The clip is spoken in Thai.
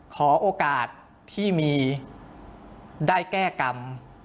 ขอโอกาสที่มีได้แก้กรรม